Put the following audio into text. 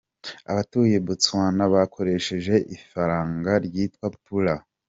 Abatuye Botswana bakoresha ifaranga ryitwa “pula”.